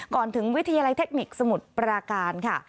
ถึงวิทยาลัยเทคนิคสมุทรปราการค่ะ